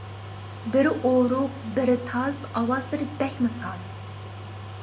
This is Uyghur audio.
بىرى ئورۇق، بىرى تاز، ئاۋازلىرى بەكمۇ ساز.